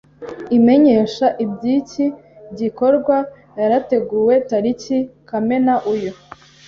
imenyesha iby iki gikorwa yarateguwe tariki Kamena uyu